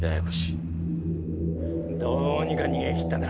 どうにか逃げきったな。